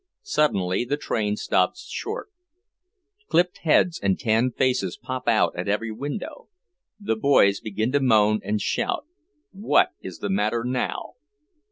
Suddenly the train stops short. Clipped heads and tanned faces pop out at every window. The boys begin to moan and shout; what is the matter now?